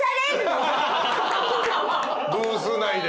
ブース内で。